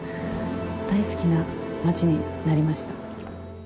大好きな町になりました。